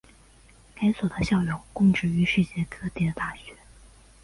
该所的校友供职于世界各地的大学。